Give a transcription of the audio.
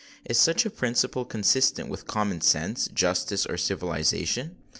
Is such a principle consistent with common sense, justice, or civilisation?